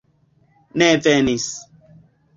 Ne venis.